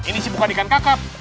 ini sih bukan ikan kakap